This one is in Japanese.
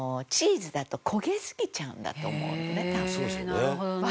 なるほどね。